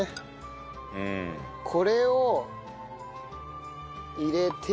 これを入れて。